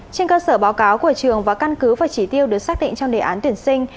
trên cơ sở báo cáo của trường và căn cứ và chỉ tiêu được xác định trong đề án tuyển sinh